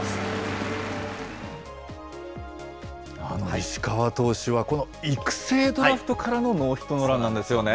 石川投手は、この育成ドラフトからのノーヒットノーランなんですよね。